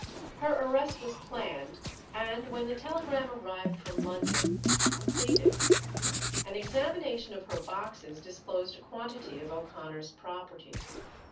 Her arrest was planned, and, when the telegram arrived from London, completed. An examination of her boxes disclosed a quantity of O'Connor's property. Mrs.